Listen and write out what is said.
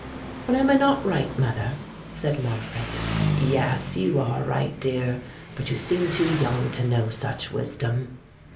"But am I not right, mother?" said Margaret. "Yes! you are right, dear, but you seem too young to know such wisdom."